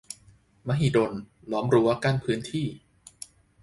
- มหิดล ล้อมรั้วกั้นพื้นที่